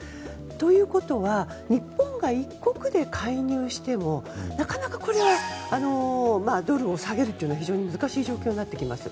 ということは日本が１国で介入してもなかなかドルを下げるのは難しい状況になってきます。